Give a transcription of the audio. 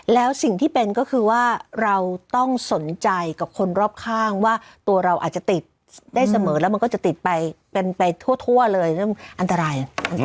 แล้วสิ่งที่เป็นก็คือว่าเราต้องสนใจกับคนรอบข้างว่าตัวเราอาจจะติดได้เสมอแล้วมันก็จะติดไปเป็นไปทั่วเลยเรื่องอันตราย